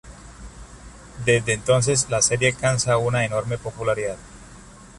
Desde entonces la serie alcanza una enorme popularidad.